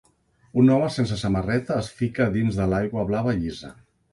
Un home sense samarreta es fica dins de l'aigua blava llisa.